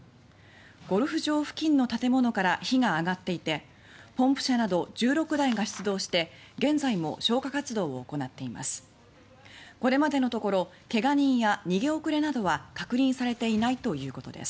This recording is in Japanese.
ゴルフ場付近の建物から火が上がっていてポンプ車など１６台が出動して現在も消火活動を行っています。